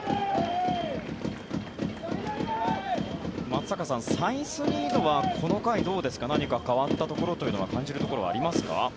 松坂さん、サイスニードはこの回、どうですか何か変わったところというか感じるところはありますか？